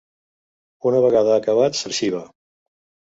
Una vegada ha acabat, s'arxiva.